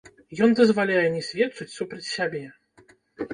Ён дазваляе не сведчыць супраць сябе.